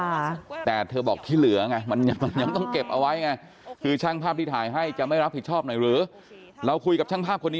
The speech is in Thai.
ค่ะแต่เธอบอกที่เหลือไงมันยังต้องเก็บเอาไว้ไง